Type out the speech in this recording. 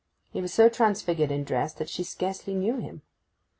He was so transfigured in dress that she scarcely knew him.